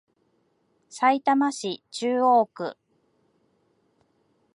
さいたま市中央区